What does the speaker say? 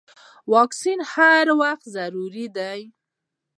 واکسین هر وخت ضروري دی.